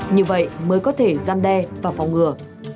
như vậy mới có thể gian đe và phòng ngừa